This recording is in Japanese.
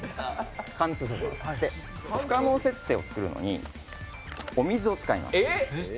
不可能設定を作るのにお水を使います。